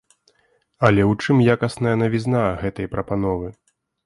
Але ў чым якасная навізна гэтай прапановы?